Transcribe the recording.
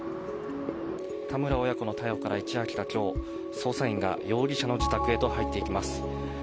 田村親子の逮捕から一夜明けた今日、捜査員が容疑者の自宅へと入っていきます。